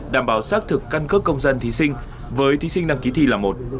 đảm bảo xác thực căn cước công dân thí sinh với thí sinh đăng ký thi là một